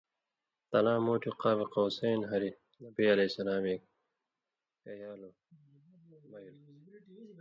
تلاں مُوٹُھو قاب قوسین ہاریۡ نبی علیہ السلام کیالو بَیلوۡ،